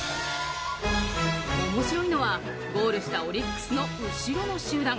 面白いのはゴールしたオリックスの後ろの集団。